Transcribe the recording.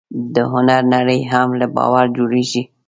د هنر نړۍ هم له باور جوړېږي.